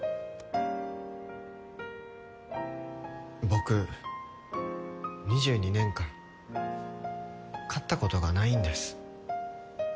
僕２２年間勝ったことがないんです。